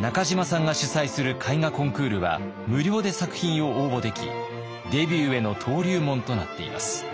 中島さんが主催する絵画コンクールは無料で作品を応募できデビューへの登竜門となっています。